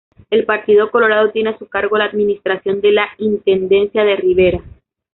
El Partido Colorado tiene a su cargo la administración de la Intendencia de Rivera.